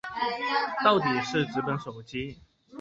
倒底是紙本手機